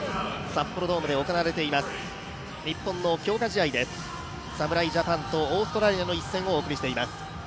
札幌ドームで行われています、日本の強化試合です、侍ジャパンとオーストラリアの一戦をお送りしています。